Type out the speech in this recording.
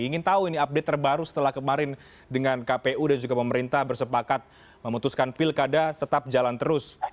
ingin tahu ini update terbaru setelah kemarin dengan kpu dan juga pemerintah bersepakat memutuskan pilkada tetap jalan terus